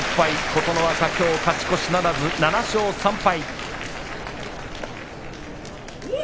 琴ノ若はきょう勝ち越しならず７勝３敗です。